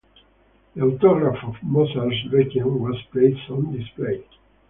The autograph of Mozart's "Requiem" was placed on display.